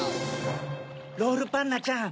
ロールパンナちゃん。